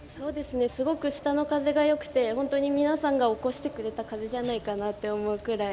すごく下の風がよくて本当に、皆さんが起こしてくれた風じゃないかなって思うくらい。